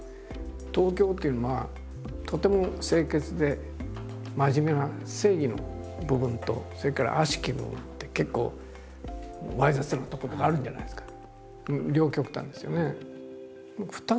東京っていうのはとても清潔で真面目な正義の部分とそれから悪しき部分って結構猥雑なところがあるじゃないですか。